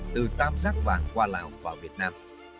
từ tam giác vàng qua lào vào việt nam